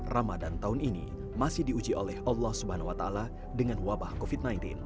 ramadan tahun ini masih diuji oleh allah swt dengan wabah covid sembilan belas